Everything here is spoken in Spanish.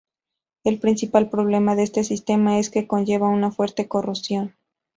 El principal problema de este sistema es que conllevaba una fuerte corrosión.